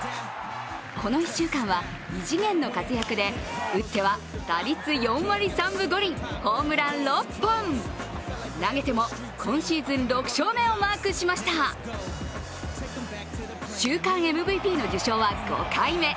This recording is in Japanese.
この１週間は異次元の活躍で打っては打率４割３分５厘、ホームラン６本、投げても今シーズン６勝目をマークしました週間ＭＶＰの受賞は５回目。